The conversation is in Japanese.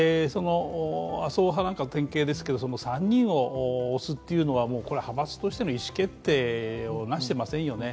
麻生派なんか典型ですけど３人を推すっていうのはこれは派閥としての意思決定をなしていませんよね。